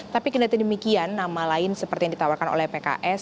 tapi kelihatan demikian nama lain seperti yang ditawarkan oleh pks